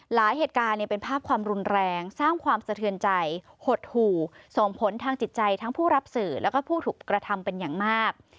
หลายเหตุการณ์เป็นภาพความรุนแรงสร้างความสะเทือนใจหดหู่ส่งผลทางจิตใจทั้งผู้รับสื่อแล้วก็ผู้ถูกกระทำเป็นอย่างมาก